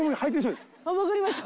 分かりました。